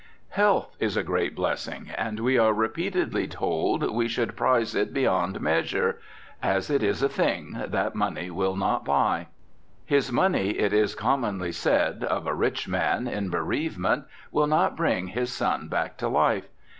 Health is a great blessing, and, we are repeatedly told, we should prize it beyond measure, as it is a thing that money will not buy. His money, it is commonly said of a rich man in bereavement, will not bring his son back to life.